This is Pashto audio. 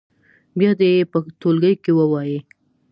بیا دې یې په ټولګي کې ووایي.